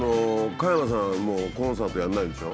加山さんもうコンサートやらないんでしょ？